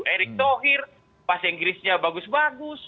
erik tohir bahasa inggrisnya bagus bagus